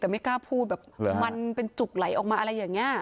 แต่ไม่กล้าพูดแบบมันเป็นจุกไหลออกมาอะไรอย่างนี้